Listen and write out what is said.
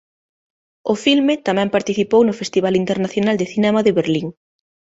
O filme tamén participou no Festival Internacional de Cinema de Berlín.